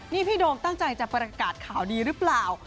นี่พี่โดมตั้งใจจะประกาศข่าวดีหรือเปล่า